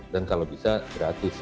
dan kalau bisa gratis